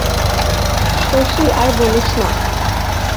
শশী আর বসিল না।